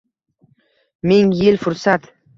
Ming yil fursat